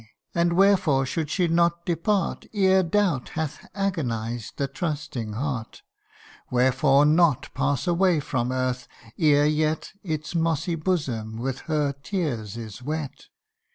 and wherefore should she not depart Ere doubt hath agonized the trusting heart ? Wherefore not pass away from earth, ere yet Its mossy bosom with her tears is wet